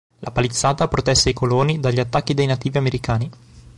La palizzata protesse i coloni dagli attacchi dei nativi americani.